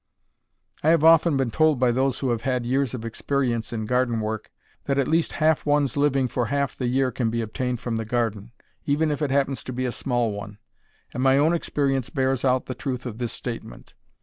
I have often been told by those who have had years of experience in garden work that at least half one's living for half the year can be obtained from the garden, even if it happens to be a small one, and my own experience bears out the truth of this statement.